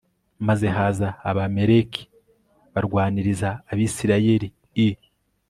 Maze haza Abamaleki barwaniriza Abisirayeli i